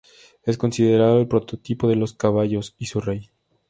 Es considerado el prototipo de los caballos, y su rey.